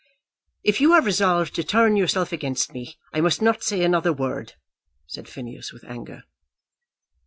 "If you are resolved to turn yourself against me, I must not say another word," said Phineas, with anger.